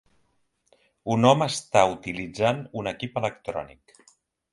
Un home està utilitzant un equip electrònic.